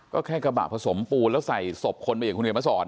ก็แค่กระบะผสมปูแล้วใส่สบคนไปอย่างคนเดียวมาสอน